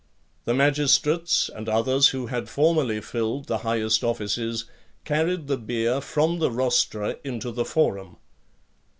The magistrates and others who had formerly filled the highest offices, carried the bier from the Rostra into the Forum.